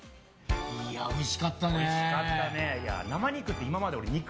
おいしかったね。